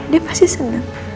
dia pasti seneng